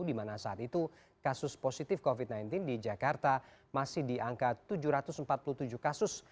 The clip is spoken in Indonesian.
di mana saat itu kasus positif covid sembilan belas di jakarta masih di angka tujuh ratus empat puluh tujuh kasus